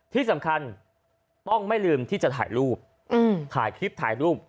ที่สำคัญต้องไม่ลืมที่จะถ่ายรูปถ่ายคลิปถ่ายรูป